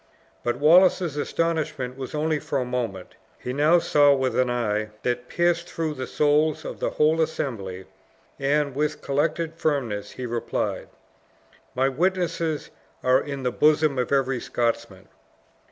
But Wallace's astonishment was only for a moment; he now saw with an eye that pierced through the souls of the whole assembly, and, with collected firmness, he replied; "My witnesses are in the bosom of every Scotsman."